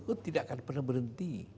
aku tidak akan pernah berhenti